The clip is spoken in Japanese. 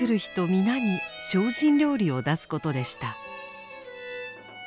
皆に精進料理を出すことでした。